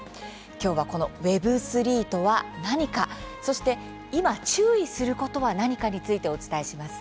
今日は、このＷｅｂ３とは何かそして今、注意することは何かについてお伝えします。